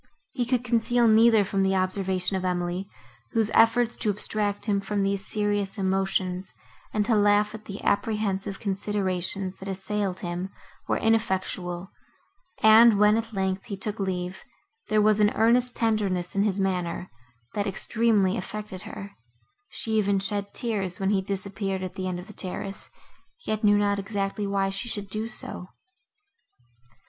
He could conceal neither from the observation of Emily, whose efforts to abstract him from these serious emotions, and to laugh at the apprehensive considerations, that assailed him, were ineffectual; and, when, at length, he took leave, there was an earnest tenderness in his manner, that extremely affected her; she even shed tears, when he disappeared at the end of the terrace, yet knew not exactly why she should do so.